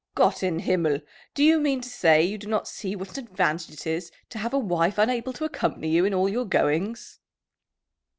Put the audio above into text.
"Gott in Himmel! Do you mean to say you do not see what an advantage it is to have a wife unable to accompany you in all your goings?"